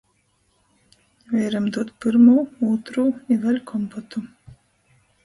Veiram dūd pyrmū, ūtrū i vēļ kompotu...